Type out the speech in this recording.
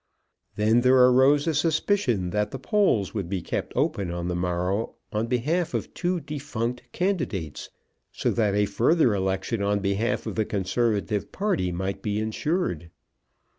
Then there arose a suspicion that the polls would be kept open on the morrow on behalf of two defunct candidates, so that a further election on behalf of the conservative party might be ensured.